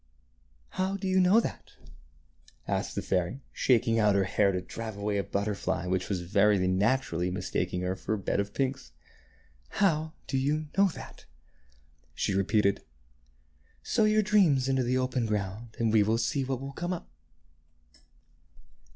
" How do you know that ?" asked the fairy, shaking out her hair to drive away a butterfly which was very naturally mistaking her for a bed of pinks. " How do you know that ?" she repeated. " Sow your dreams into the open ground, and we will see what will come up."